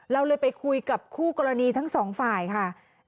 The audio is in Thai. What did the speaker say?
เราเลยไปคุยกับคู่กรณีทั้งสองฝ่ายค่ะ